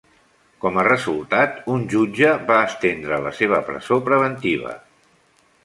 Com a resultat, un jutge va estendre la seva presó preventiva.